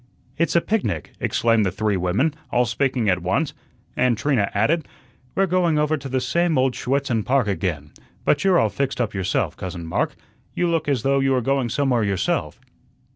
"It's a picnic," exclaimed the three women, all speaking at once; and Trina added, "We're going over to the same old Schuetzen Park again. But you're all fixed up yourself, Cousin Mark; you look as though you were going somewhere yourself."